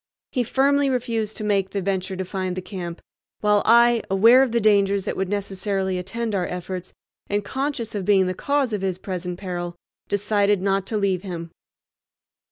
He firmly refused to make the venture to find the camp, while I, aware of the dangers that would necessarily attend our efforts, and conscious of being the cause of his present peril, decided not to leave him.